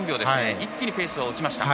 一気にペースが落ちました。